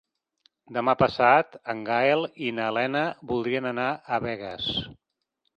Demà passat en Gaël i na Lena voldrien anar a Begues.